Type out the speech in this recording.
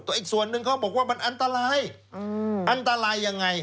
อีกส่วนหนึ่งเขาบอกว่ามันอันตรายอันตรายยังไง